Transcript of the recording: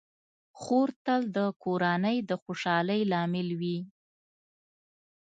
خور تل د کورنۍ د خوشحالۍ لامل وي.